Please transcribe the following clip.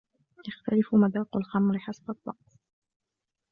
يختلف مذاق الخمر حسب الطقس.